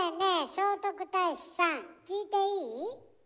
聖徳太子さん聞いていい？